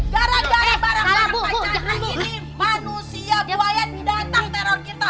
gara gara barang pak jandra ini manusia buaya datang teror kita